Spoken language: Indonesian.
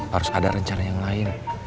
harus ada rencana yang lain